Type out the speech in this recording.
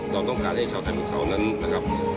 เราต้องการให้เช้าไทยพวกเขานั้นนะครับ